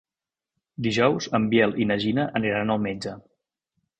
Dijous en Biel i na Gina aniran al metge.